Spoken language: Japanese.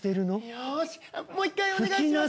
よしもう１回お願いします。